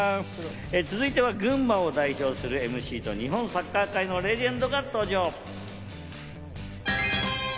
続いては、群馬を代表するＭＣと日本サッカー界のレジェンドが登場。